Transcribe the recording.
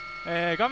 画面